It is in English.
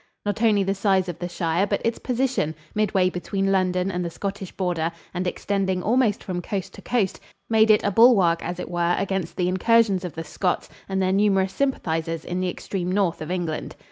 Not only the size of the shire, but its position midway between London and the Scottish border, and extending almost from coast to coast made it a bulwark, as it were, against the incursions of the Scots and their numerous sympathizers in the extreme north of England.